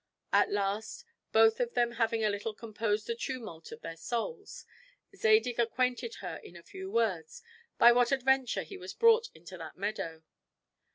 At last, both of them having a little composed the tumult of their souls, Zadig acquainted her in a few words by what adventure he was brought into that meadow.